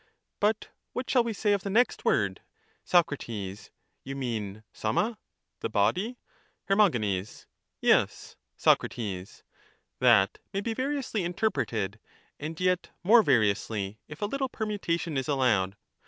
But what shall we say of the next word? Soc. You mean oCi\ia (the body). Her. Yes. Soc. That may be variously interpreted ; and yet m.ore variously if a little permutation is allowed.